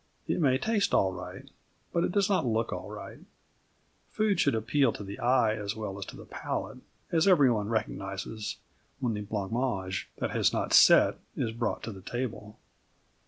It may taste all right, but it does not look all right. Food should appeal to the eye as well as to the palate, as everyone recognises when the blancmange that has not set is brought to the table.